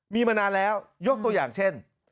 มีมานานแล้วยกตัวอย่างเช่น